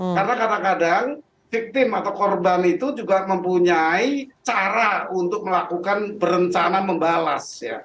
karena kadang kadang victim atau korban itu juga mempunyai cara untuk melakukan berencana membalas